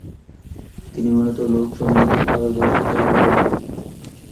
তিনি মূলত লোক সঙ্গীত-এ পারদর্শিতা অর্জন করেন।